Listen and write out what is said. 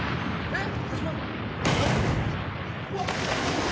あっ！